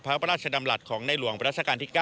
พระราชดำรัฐของในหลวงรัชกาลที่๙